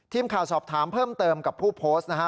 ทีมข่าวสอบถามเพิ่มเติมกับผู้โพสต์นะฮะ